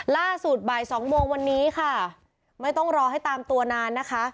ล่าสุดบ่ายสองโมงวันนี้ค่ะไม่ต้องรอให้ตามตัวนานนะคะ